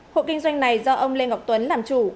hộ kinh doanh này do ông lê ngọc tuấn làm chủ